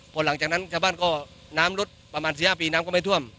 พอหลังจากนั้นชาวบ้านก็น้ำลดประมาณ๑๕ปีน้ำก็ไม่ท่วม